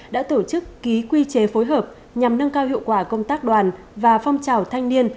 đã tổ chức ký quy chế phối hợp nhằm nâng cao hiệu quả công tác đoàn và phong trào thanh niên